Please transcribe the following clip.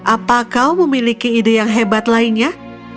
apa kau memiliki ide yang hebat lainnya